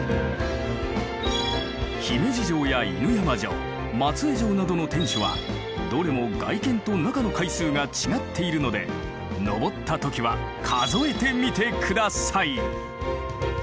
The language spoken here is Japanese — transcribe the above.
姫路城や犬山城松江城などの天守はどれも外見と中の階数が違っているので上った時は数えてみて下さい！